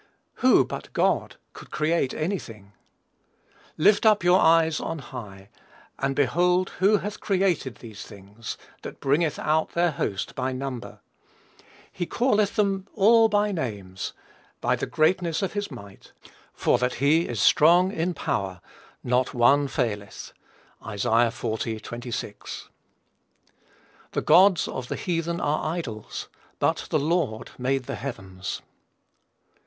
Who but "God" could "create" any thing. "Lift up your eyes on high, and behold who hath created these things, that bringeth out their host by number; he calleth them all by names, by the greatness of his might, for that he is strong in power; not one faileth." (Is. xl. 26.) "The gods of the heathen are idols, but the Lord made the heavens."